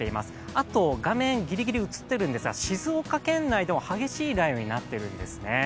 あと画面ギリギリ映っているんですが静岡県内でも激しい雷雨になっているんですね。